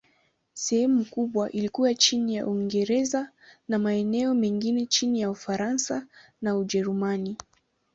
Sehemu kubwa likawa chini ya Uingereza, na maeneo mengine chini ya Ufaransa na Ujerumani.